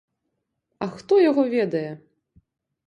А хто яго ведае!